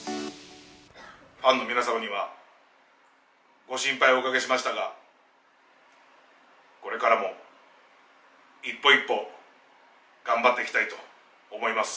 ファンの皆様には、ご心配をおかけしましたが、これからも一歩一歩頑張っていきたいと思います。